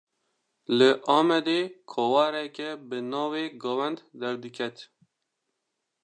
Li Amedê, kovareke bi navê "Govend" derdiket